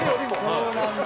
そうなんだ。